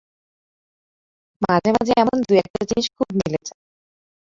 মাঝে-মাঝে এমন দুই-একটা জিনিস খুব মিলে যায়।